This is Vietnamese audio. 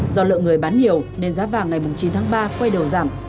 do lượng người bán nhiều nên giá vàng ngày chín tháng ba quay đầu giảm